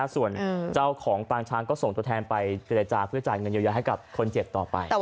ส่วนเจ้าของปางช้างก็ส่งตัวแทนไปเจรจาเพื่อจ่ายเงินเยียวยาให้กับคนเจ็บต่อไป